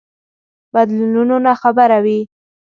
بدلونونو ناخبره وي.